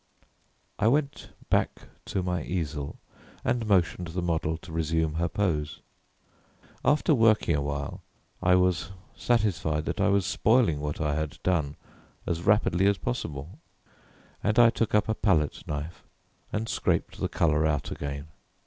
I went back to my easel and motioned the model to resume her pose. After working a while I was satisfied that I was spoiling what I had done as rapidly as possible, and I took up a palette knife and scraped the colour out again.